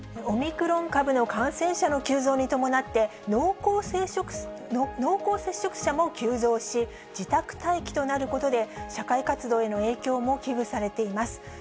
オミクロン株の感染者の急増に伴って、濃厚接触者も急増し、自宅待機となることで、社会活動への影響も危惧されています。